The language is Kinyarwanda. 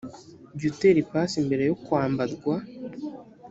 jya utera ipasi mbere yo kwambarwa